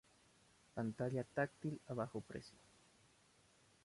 Pantalla táctil a bajo precio.